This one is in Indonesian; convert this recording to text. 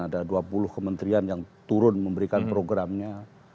ada dua puluh kementerian yang turun memberikan programnya